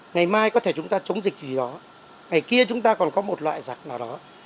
ngày mai có thể chúng ta chống dịch gì đó ngày kia chúng ta còn có một loại giặc nào đó